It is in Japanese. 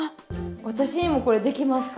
私にもこれできますか？